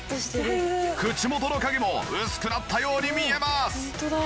口元の影も薄くなったように見えます。